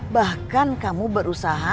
bahkan kamu berusaha